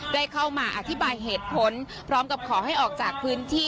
ได้เข้ามาอธิบายเหตุผลพร้อมกับขอให้ออกจากพื้นที่